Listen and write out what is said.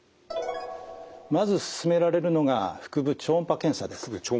まずすすめられるのが腹部超音波検査です。